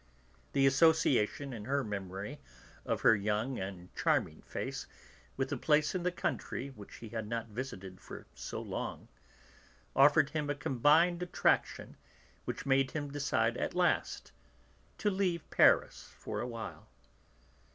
The association in his memory of her young and charming face with a place in the country which he had not visited for so long, offered him a combined attraction which had made him decide at last to leave Paris for a while.